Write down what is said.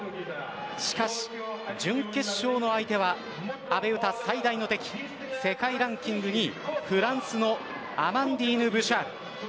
しかし、準決勝の相手は阿部詩、最大の敵世界ランキング２位、フランスのアマンディーヌ・ブシャール。